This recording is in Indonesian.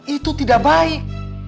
itu tidak baik